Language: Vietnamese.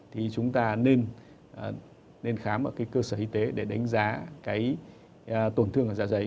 thì chúng ta nên khám ở cơ sở y tế để đánh giá cái tổn thương ở dạ dày